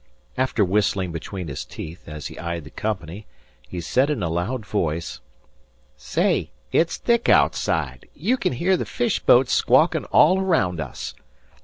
After whistling between his teeth, as he eyed the company, he said in a loud, high voice: "Say, it's thick outside. You can hear the fish boats squawking all around us.